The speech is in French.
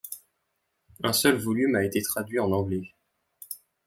Un seul volume a été traduit en anglais.